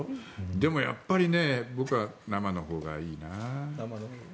でもやっぱり、僕は生のほうがいいな。